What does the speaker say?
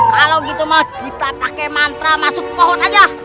kalau gitu mau kita pake mantra masuk pohon aja